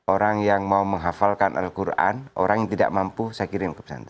orang yang mau menghafalkan al quran orang yang tidak mampu saya kirim ke pesantren